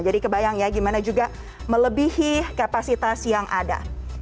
jadi kebayang ya gimana juga melebihi kapasitas yang ada